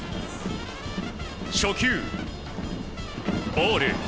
初球、ボール。